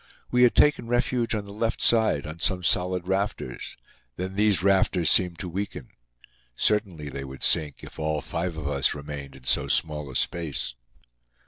We had taken refuge on the left side on some solid rafters. Then these rafters seemed to weaken. Certainly they would sink if all five of us remained in so small a space.